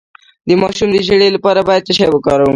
د ماشوم د ژیړي لپاره باید څه شی وکاروم؟